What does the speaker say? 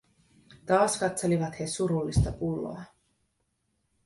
Taas katselivat he surullista pulloa.